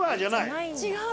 違う。